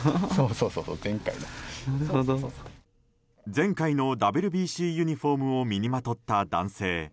前回のＷＢＣユニホームを身にまとった男性。